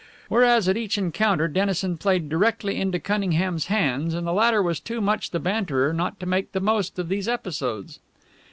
Whereas at each encounter Dennison played directly into Cunningham's hands, and the latter was too much the banterer not to make the most of these episodes.